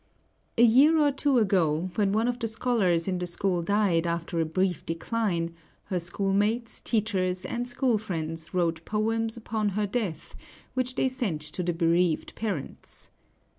A year or two ago, when one of the scholars in the school died after a brief decline, her schoolmates, teachers, and school friends wrote poems upon her death, which they sent to the bereaved parents.